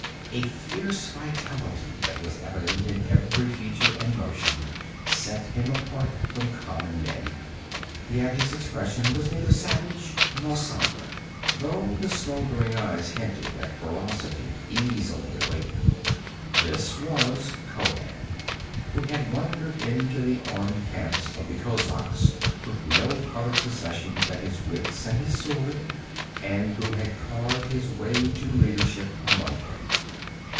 A fierce vitality that was evident in each feature and motion set him apart from common men; yet his expression was neither savage nor somber, though the smoldering blue eyes hinted at ferocity easily wakened. This was Conan, who had wandered into the armed camps of the kozaks with no other possession than his wits and his sword, and who had carved his way to leadership among them.